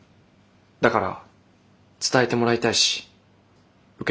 だから伝えてもらいたいし受け止めたいです。